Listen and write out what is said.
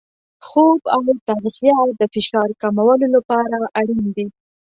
خوب او تغذیه د فشار کمولو لپاره اړین دي.